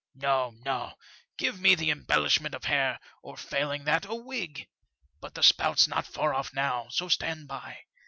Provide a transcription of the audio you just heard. No, no ; give me the embellish ment of hair, or, failing that, a wig. But the spout's not far off now, so stand by.